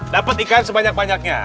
dapet ikan sebanyak banyaknya